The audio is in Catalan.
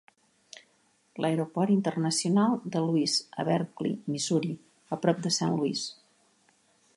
L'aeroport internacional de Louis, a Berkeley, Missouri, a prop de Saint Louis.